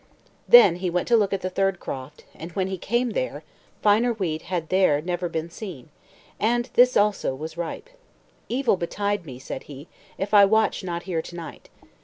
Then he went to look at the third croft; and when he came there, finer wheat had there never been seen, and this also was ripe. "Evil betide me," said he, "if I watch not here to night.